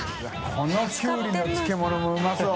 海きゅうりの漬物もうまそう。